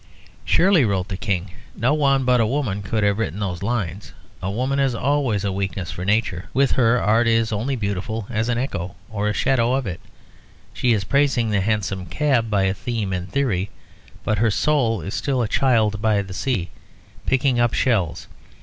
'" "Surely," wrote the King, "no one but a woman could have written those lines. A woman has always a weakness for nature; with her art is only beautiful as an echo or shadow of it. She is praising the hansom cab by theme and theory, but her soul is still a child by the sea, picking up shells.